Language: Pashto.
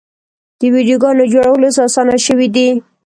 د ویډیوګانو جوړول اوس اسانه شوي دي.